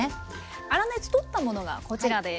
粗熱とったものがこちらです。